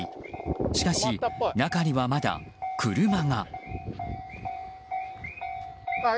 しかし、中にはまだ車が。